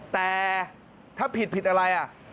แต่ถ้าผิดอะไรอ่ะ